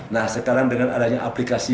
nah sekarang dengan adanya aplikasi